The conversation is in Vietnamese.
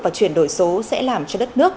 và chuyển đổi số sẽ làm cho đất nước